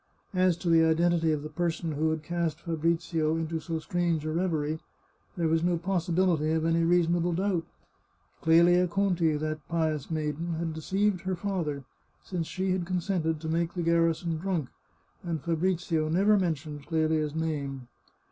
As to the identity of the person who had cast Fabrizio into so strange a reverie, there was no possibility of any reasonable doubt. Clelia Conti, that pious maiden, had deceived her father, since she had consented to make the garrison drunk, and Fabrizio never mentioned Clelia's name.